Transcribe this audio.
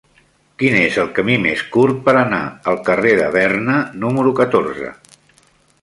Quin és el camí més curt per anar al carrer de Berna número catorze?